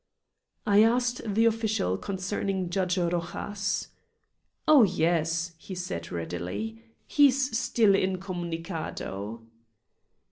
I asked the official concerning Judge Rojas. "Oh, yes," he said readily. "He is still incomunicado."